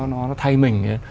nó thay mình